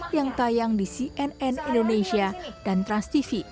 yang tayang di cnn indonesia dan transtv